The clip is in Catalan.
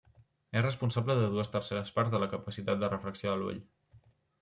És responsable de dues terceres parts de la capacitat de refracció de l'ull.